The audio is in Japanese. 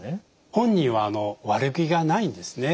本人は悪気がないんですね。